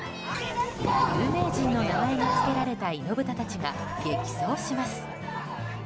有名人の名前が付けられたイノブタたちが激走します。